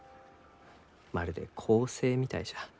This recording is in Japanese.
まるで恒星みたいじゃ。